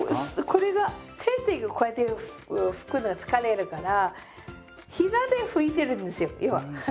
これが手でこうやって拭くのは疲れるから膝で拭いてるんですよ要は。